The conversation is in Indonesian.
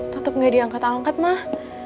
tetep ga diangkat angkat mah